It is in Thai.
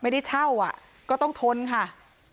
ไม่ได้เช่าอ่ะก็ต้องทนค่ะ